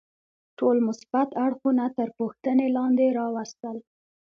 ټول مثبت اړخونه تر پوښتنې لاندې راوستل.